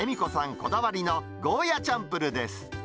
こだわりのゴーヤチャンプルです。